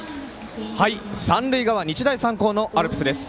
三塁側、日大三高のアルプスです。